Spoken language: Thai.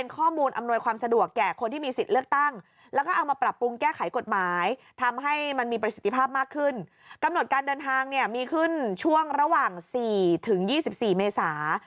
กำหนดการเดินทางเนี่ยมีขึ้นช่วงระหว่าง๔๒๔เมษา